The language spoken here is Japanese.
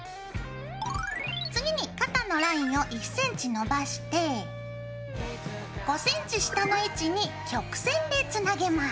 次に肩のラインを１ｃｍ伸ばして５ｃｍ下の位置に曲線でつなげます。